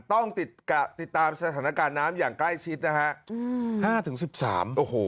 ต้องติดกะติดตามสถานการณ์น้ำอย่างใกล้ชิดนะฮะอืมห้าถึงสิบสามโอ้โห